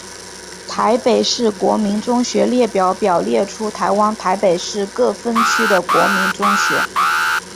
台北市国民中学列表表列出台湾台北市各分区的国民中学。